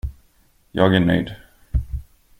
Jag är nöjd.